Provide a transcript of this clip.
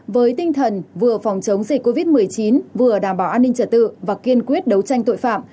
với tinh thần vừa phòng chống dịch covid một mươi chín vừa đảm bảo an ninh trật tự và kiên quyết đấu tranh tội phạm